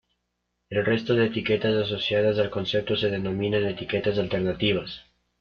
El resto de etiquetas asociadas al concepto se denominan etiquetas alternativas.